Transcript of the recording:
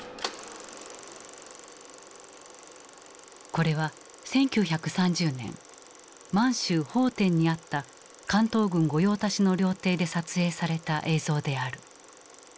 これは１９３０年満州・奉天にあった関東軍御用達の料亭で撮影された映像である。